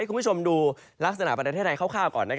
คุณผู้ชมดูลักษณะประเทศไทยคร่าวก่อน